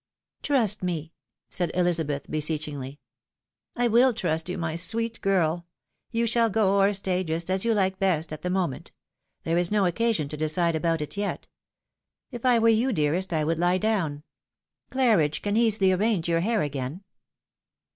" Trust me," said Elizabeth, beseechingly. " I will trust you, my sweet girl ! you shall go or stay, just as you hke best at the moment ; there is no occasion to decide about it yet. If I were you, dearest, I would lie down. Claridge can easily arrange your hair again."